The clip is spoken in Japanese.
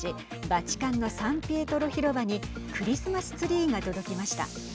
バチカンのサンピエトロ広場にクリスマスツリーが届きました。